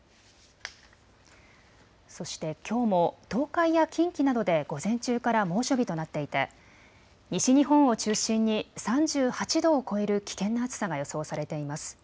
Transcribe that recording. そしてきょうも東海や近畿などで午前中から猛暑日となっていて西日本を中心に３８度を超える危険な暑さが予想されています。